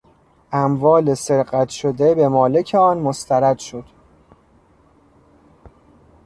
اموال سرقت شده به مالک آن مسترد شد.